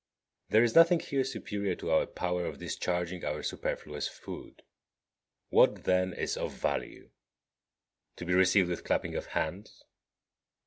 There is nothing here superior to our power of discharging our superfluous food. What, then, is of value? To be received with clapping of hands?